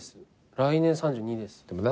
来年３２です。